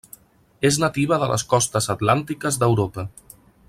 És nativa de les costes atlàntiques d'Europa.